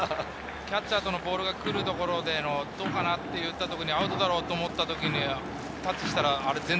キャッチャーのボールが来るところで取るかなって言ったときに、アウトだろうと思ったときに、タッチしたら、あれ？